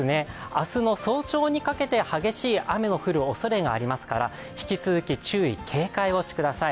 明日の早朝にかけて激しい雨の降るおそれがありますから、引き続き注意・警戒をしてください。